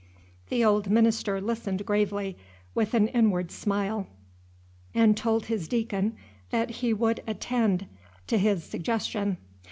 The old minister listened gravely, with an inward smile, and told his deacon that he would attend to his suggestion.